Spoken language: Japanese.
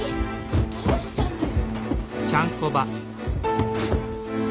どうしたのよ。